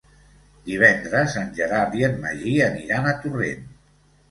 Divendres en Gerard i en Magí aniran a Torrent.